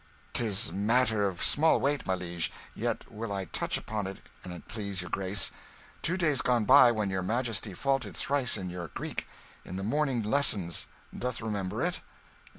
"'Tis matter of small weight, my liege, yet will I touch upon it, an' it please your Grace. Two days gone by, when your Majesty faulted thrice in your Greek in the morning lessons, dost remember it?"